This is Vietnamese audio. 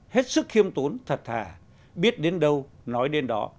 hết sức khiêm tốn thật thà biết đến đâu nói đến đó